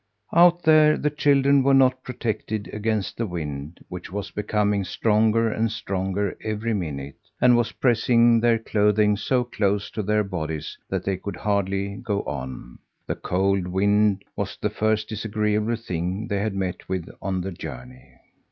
Out there the children were not protected against the wind, which was becoming stronger and stronger every minute, and was pressing their clothing so close to their bodies that they could hardly go on. The cold wind was the first disagreeable thing they had met with on the journey.